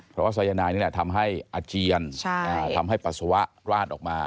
เพราะว่าสายนายนี่แหละทำให้อาเจียนทำให้ปัสสาวะราดออกมา